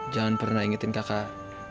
jangan pernah ingetin kakak